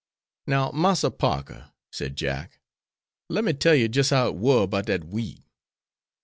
'Now Massa Parker,' said Jack, 'lem'me tell yer jis' how it war 'bout dat wheat.